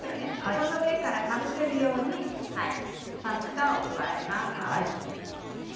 その上からかぶせるようにパスタを加えます。